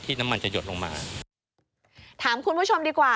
ถามคุณผู้ชมดีกว่า